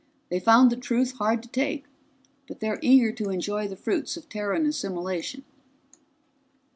They found the truth hard to take, but they're eager to enjoy the fruits of Terran assimilation."